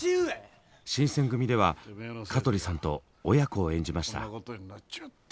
「新選組！」では香取さんと親子を演じました。